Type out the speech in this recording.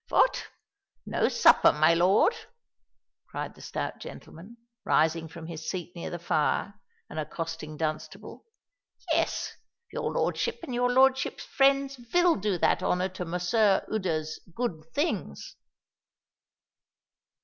"Vot, no supper, my lord?" cried the stout gentleman, rising from his seat near the fire, and accosting Dunstable. "Yes—your lordship and your lordship's friends vill do that honour to Mosseer Ude's good things."